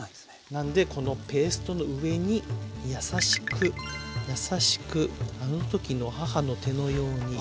なんでこのペーストの上に優しく優しくあの時の母の手のように。